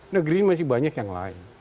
negeri ini masih banyak yang lain